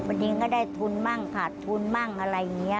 ดินก็ได้ทุนมั่งขาดทุนมั่งอะไรอย่างนี้